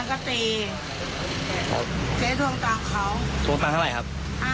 เขาใช้อะไรทำอะไรครับ